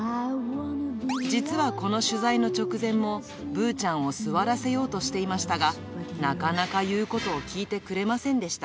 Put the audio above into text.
実はこの取材の直前も、ぶーちゃんを座らせようとしていましたが、なかなか言うことを聞いてくれませんでした。